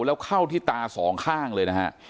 แล้วเข้าที่ตาสองข้างเลยนะฮะ